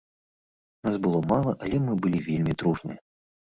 Нас было мала, але мы былі вельмі дружныя.